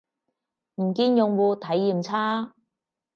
唔見用戶體驗差